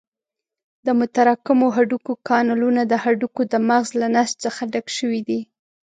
د متراکمو هډوکو کانالونه د هډوکو د مغزو له نسج څخه ډک شوي دي.